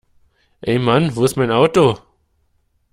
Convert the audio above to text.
Ey Mann wo ist mein Auto?